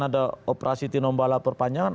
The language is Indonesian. ada operasi tinombala perpanjangan